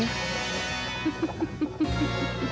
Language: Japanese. フフフフ！